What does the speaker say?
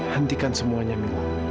hentikan semuanya mila